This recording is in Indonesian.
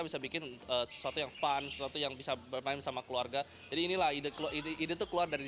bisa bikin sesuatu yang fun sesuatu yang bisa bermain sama keluarga jadi inilah ide ide tuh keluar dari